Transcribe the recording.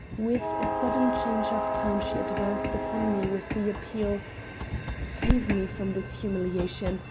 With a sudden change of tone she advanced upon me with the appeal: "Save me from this humiliation.